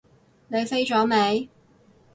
你飛咗未？